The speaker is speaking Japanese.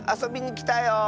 きたよ！